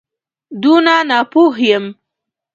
دونه ناپوه یم.